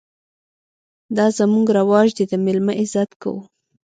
_دا زموږ رواج دی، د مېلمه عزت کوو.